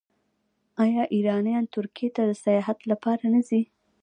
آیا ایرانیان ترکیې ته د سیاحت لپاره نه ځي؟